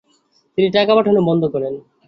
তিনি টাকা পাঠানো বন্ধ করেন।